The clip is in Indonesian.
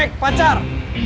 yo naik pacar